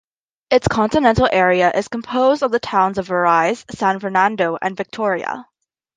Its continental area is composed of the towns of Virreyes, San Fernando and Victoria.